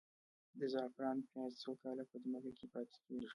د زعفرانو پیاز څو کاله په ځمکه کې پاتې کیږي؟